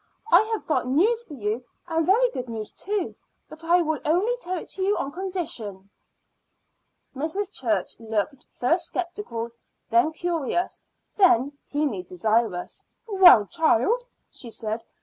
I have got news for you, and very good news, too. But I will only tell it to you on condition." Mrs. Church looked first skeptical, then curious, then keenly desirous. "Well, child?" she said.